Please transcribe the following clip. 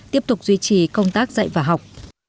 tiếp tục duy trì công tác dạy và học